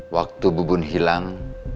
waktu bubun hilang